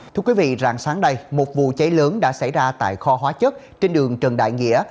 thưa quý vị rạng sáng đây một vụ cháy lớn đã xảy ra tại kho hóa chất trên đường trần đại nghĩa